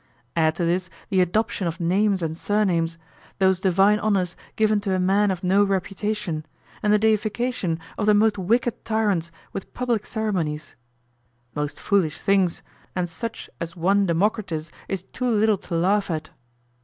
Add to this the adoption of names and surnames, those divine honors given to a man of no reputation, and the deification of the most wicked tyrants with public ceremonies; most foolish things, and such as one Democritus is too little to laugh at.